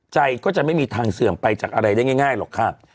ใจก็จะไม่มีทางเสื่อมไปจากอะไรได้ง่ายหรอกค่ะ